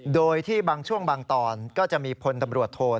โดยที่บางช่วงบางตอนก็จะมีพลตำรวจโทษ